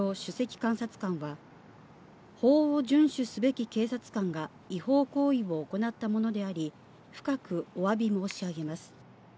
監察官は、法を順守すべき警察官が違法行為を行ったものであり、深くおわび申し上げます。